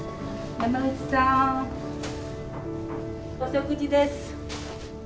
お食事です。